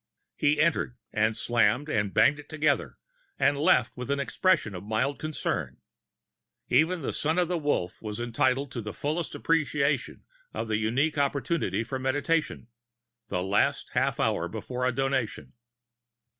He entered and slammed and banged it together, and left with an expression of mild concern. Even a Son of the Wolf was entitled to the fullest appreciation of that unique opportunity for meditation, the last half hour before a Donation.